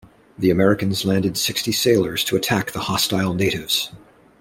The Americans landed sixty sailors to attack the hostile natives.